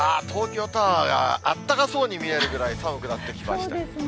東京タワーがあったかそうに見えるぐらい、寒くなってきました。